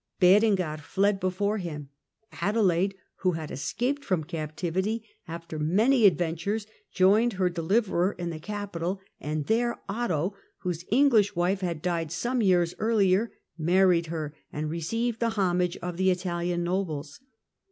Berengar fled before him. Adelaide, tion, 951 ^ j^Q i^g^^ escaped from captivity after many adventures, joined her deliverer in the capital ; and there Otto, whose English wife had died some years earlier, married her, and received the homage of the Italian nobles.